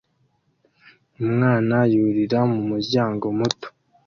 Umwana yurira mu muryango muto